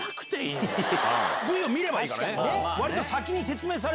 ＶＴＲを見ればいいからね。